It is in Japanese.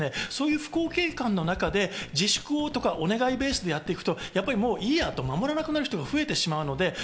不公平感の中で自粛をお願いベースでやっていくと、もういいやと守らなくなる人が増えてしまう。